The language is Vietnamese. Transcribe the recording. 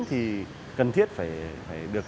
thì cần thiết phải được